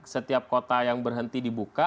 setiap kota yang berhenti dibuka